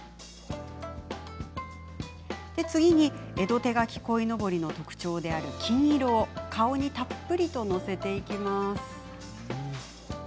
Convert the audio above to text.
次に江戸手描き鯉のぼりの特徴である金色を顔にたっぷりと載せていきます。